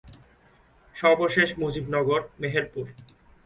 সর্বশেষ মুজিবনগর, মেহেরপুর।